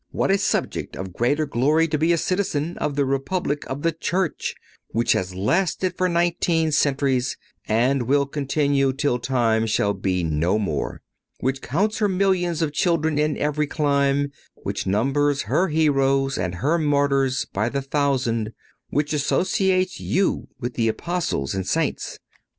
What a subject of greater glory to be a citizen of the Republic of the Church which has lasted for nineteen centuries, and will continue till time shall be no more; which counts her millions of children in every clime; which numbers her heroes and her martyrs by the thousand; which associates you with the Apostles and Saints.